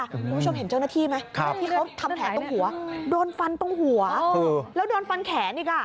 คุณผู้ชมเห็นเจ้าหน้าที่ไหมที่เขาทำแผลตรงหัวโดนฟันตรงหัวแล้วโดนฟันแขนอีกอ่ะ